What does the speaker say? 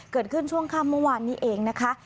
เกิดขึ้นช่วงค่ำเมื่อวานนี้เองนะคะ